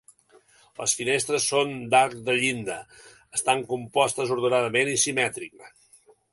Les finestres són d'arc de llinda, estant compostes ordenadament i simètrica.